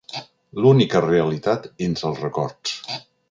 L'única realitat entre els records.